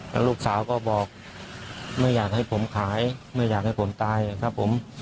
แล้วลูกสาวก็บอกไม่อยากให้ผมขายไม่อยากให้ผมตายครับผม